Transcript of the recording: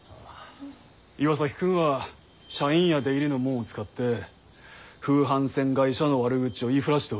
岩崎君は社員や出入りのもんを使って風帆船会社の悪口を言いふらしておる。